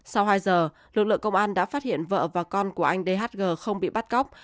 sau hai giờ lực lượng công an đã phát hiện vợ và con của anh dhg không bị bắt cóc